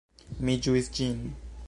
Mi ĝuis ĝin.